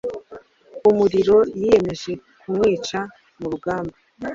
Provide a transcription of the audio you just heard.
umuriro yiyemeje kumwica Mu rugamba